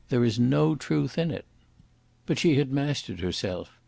There is no truth in it." But she had mastered herself.